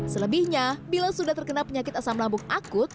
selebihnya bila sudah terkena penyakit asam lambung akut